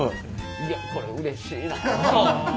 いやこれうれしいなあ。